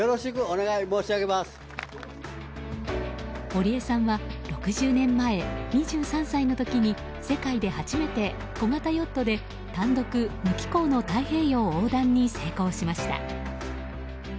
堀江さんは６０年前、２３歳の時に世界で初めて小型ヨットで単独無寄港の太平洋横断に成功しました。